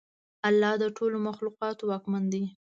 الله د ټولو مخلوقاتو واکمن دی.